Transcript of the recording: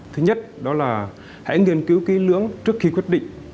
thứ nhất đó là hãy nghiên cứu kỹ lưỡng trước khi quyết định